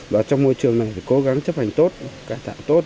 và trong môi trường này phải cố gắng chấp hành tốt cải tạo tốt